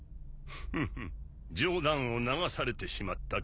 フフッ冗談を流されてしまったか。